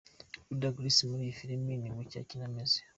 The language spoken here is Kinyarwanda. Ludacris muri iyi filimi ni gutya akina ameze.